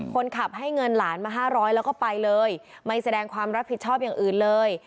คนขับให้เงินหลานมา๕๐๐แล้วก็ไปเลยไม่แสดงความรับผิดชอบอย่างอื่นเลย